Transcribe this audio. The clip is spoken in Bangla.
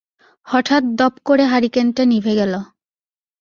হঠাৎ দপ করে হারিকোনটা নিভে গেল।